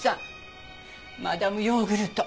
マダム・ヨーグルト。